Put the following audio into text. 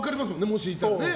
もしいたらね。